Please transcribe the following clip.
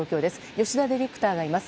吉田ディレクターがいます。